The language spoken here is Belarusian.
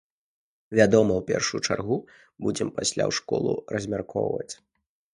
Вядома, у першую чаргу будзем пасля ў школу размяркоўваць.